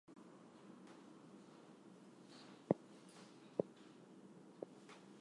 These borderline cases are considered legitimate in most Jewish communities.